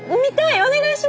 お願いします！